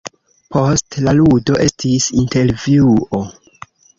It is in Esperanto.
Post la ludo estis intervjuo.